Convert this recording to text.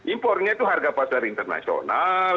impornya itu harga pasar internasional